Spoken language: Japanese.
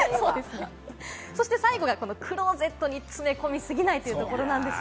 最後が、クローゼットに詰め込みすぎないというところです。